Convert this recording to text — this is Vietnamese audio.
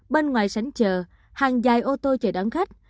bên ngoài sảnh chờ hàng dài ô tô chờ đón khách